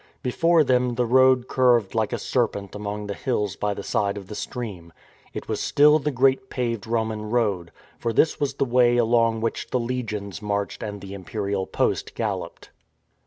Before them the road curved like a serpent among the hills by the side of the stream. It was still the great paved Roman road, for this was the Way along which the legions marched and the Imperial Post galloped.